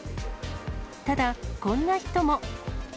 ただ、こんな人も。